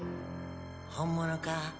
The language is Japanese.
本物か？